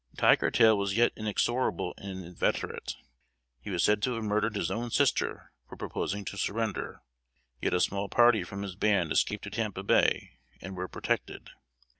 Tiger tail was yet inexorable and inveterate. He was said to have murdered his own sister for proposing to surrender; yet a small party from his band escaped to Tampa Bay, and were protected.